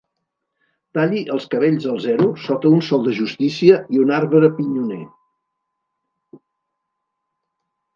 Talli els cabells al zero sota un sol de justícia i un arbre pinyoner.